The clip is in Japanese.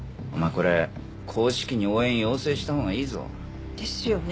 これ公式に応援要請したほうがいいぞ。ですよね？